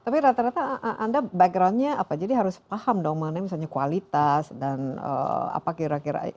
tapi rata rata anda backgroundnya apa jadi harus paham dong mana misalnya kualitas dan apa kira kira